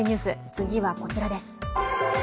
次はこちらです。